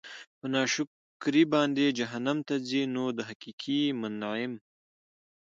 په ناشکر باندي جهنّم ته ځي؛ نو د حقيقي مُنعِم